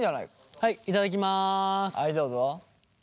はいどうぞ。